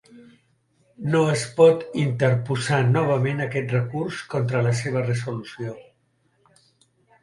No es pot interposar novament aquest recurs contra la seva resolució.